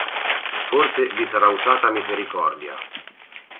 Forse vi sarà usata misericordia.